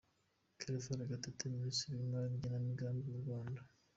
Claver Gatete, Minisitiri w’Imali n’Igenamigambi mu Rwanda.